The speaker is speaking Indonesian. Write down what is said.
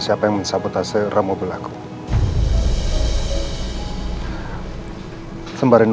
kira kira kayaknya waktu wordsmore itu kemungkinan alasan mungkin gak bahkan gitu